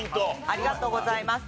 ありがとうございます。